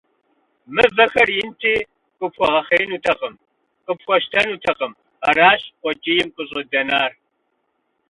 Мывэхэр инти, къыпхуэгъэхъеинутэкъым, къыпхуэщтэнутэкъым, аращ къуэкӀийм къыщӀыдэнар.